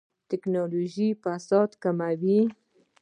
ټکنالوژي فساد کموي